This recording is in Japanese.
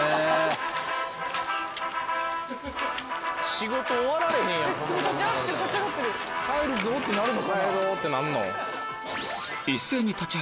仕事終わられへんやろ！帰ろう！ってなるの？